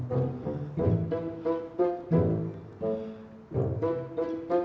tunggu tungguin dituduh rupanya